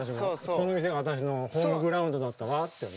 この店が私のホームグラウンドだったわって思うの。